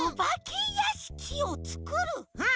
うん。